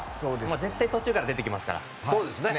絶対途中から出てきますから。